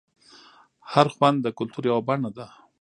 هر خوند د کلتور یوه بڼه ده.